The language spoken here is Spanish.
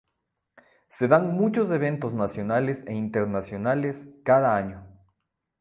Se dan muchos eventos nacionales e internacionales cada año.